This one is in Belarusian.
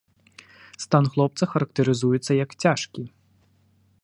Стан хлопца характарызуецца як цяжкі.